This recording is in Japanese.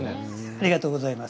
ありがとうございます。